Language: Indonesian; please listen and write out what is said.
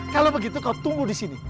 kalau begitu kau tunggu di sini